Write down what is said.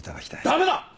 ダメだ！